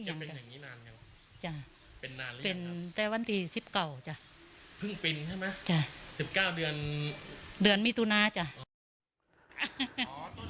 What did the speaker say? ๑๙เดือนเดือนมิตุนาจ้ะ